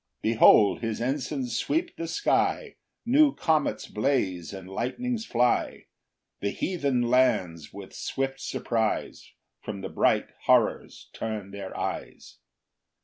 6 Behold his ensigns sweep the sky, New comets blaze and lightnings fly, The heathen lands, with swift surprise, From the bright horrors turn their eyes.